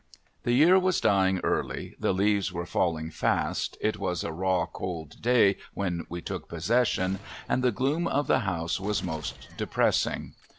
The year was dying early, the leaves were falling fast, it was a raw cold day when we took possession, and the gloom of the house was most depressing.